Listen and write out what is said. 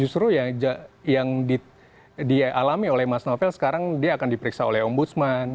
justru yang dialami oleh mas novel sekarang dia akan diperiksa oleh ombudsman